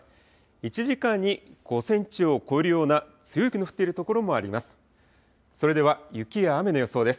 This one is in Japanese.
１時間に５センチを超えるような強い雪の降っている所もあります。